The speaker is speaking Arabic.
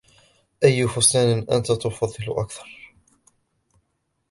أي فستان أنتَ تُفضِل أكثر ؟